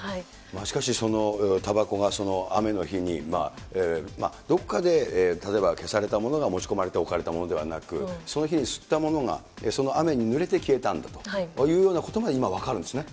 しかし、いわゆるたばこが雨の日に、どこかで例えば消されたものが持ち込まれて置かれたものではなく、その日に吸ったものが、その雨にぬれて消えたんだというようなことが今、分かるんですね。